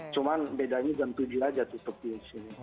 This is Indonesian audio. cuman bedanya jam tujuh aja tutup di sini